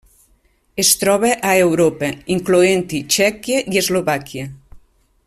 Es troba a Europa, incloent-hi Txèquia i Eslovàquia.